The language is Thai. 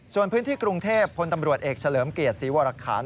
ส่วนพื้นที่กรุงเทพพลตำรวจเอกเฉลิมเกียรติศรีวรคาร